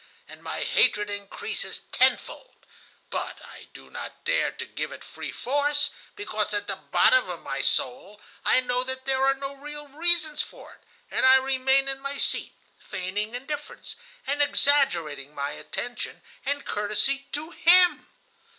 And my hatred increases tenfold, but I do not dare to give it free force, because at the bottom of my soul I know that there are no real reasons for it, and I remain in my seat, feigning indifference, and exaggerating my attention and courtesy to him.